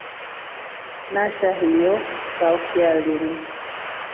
Nasha hiyo kaukya linu.